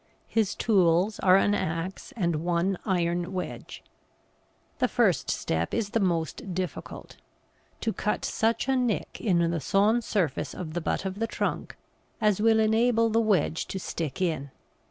His tools are an axe and one iron wedge. The first step is the most difficult to cut such a nick in the sawn surface of the butt of the trunk as will enable the wedge to stick in.